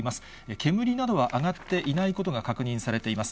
煙などは上がっていないことが確認されています。